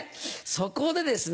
そこでですね